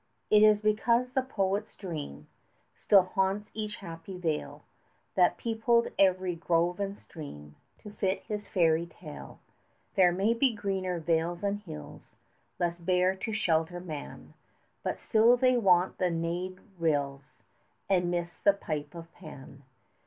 It is because the poet's dream Still haunts each happy vale, 10 That peopled every grove and stream To fit his fairy tale. There may be greener vales and hills Less bare to shelter man; But still they want the naiad rills, 15 And miss the pipe of Pan.